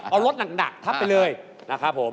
เอารถหนักทับไปเลยนะครับผม